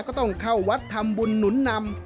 ก็ต้องเข้าวัดทำบุญหนุนนำ